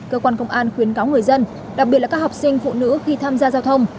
cơ quan công an khuyến cáo người dân đặc biệt là các học sinh phụ nữ khi tham gia giao thông